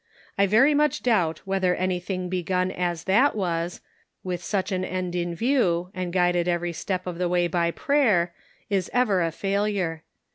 I very much doubt whether anything begun as that was, with such an end in view, and guided every step of the way by prayer, is ever a failure.